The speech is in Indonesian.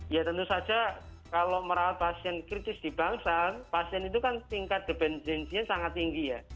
ya tentu saja kalau merawat pasien kritis di bangsa pasien itu kan tingkat debensinya sangat tinggi ya